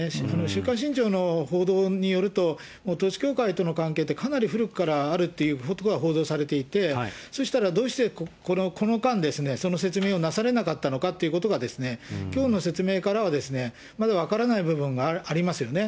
週刊新潮の報道によると、統一教会との関係って、かなり古くからあるということが報道されていて、そうしたら、どうしてこの間、その説明をなされなかったのかっていうことがですね、きょうの説明からはまだ分からない部分がありますよね。